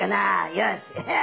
よし。